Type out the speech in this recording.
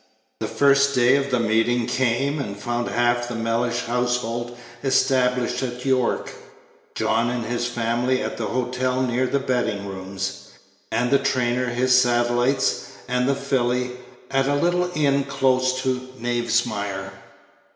The first day of the meeting came, and found half the Mellish household established at York; John and his family at a hotel near the betting rooms; and the trainer, his satellites, and the filly, at a little inn close to the Knavesmire.